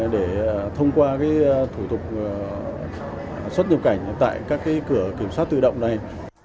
để thông qua thủ tục xuất nhập cảnh tại các cửa kiểm soát tự động này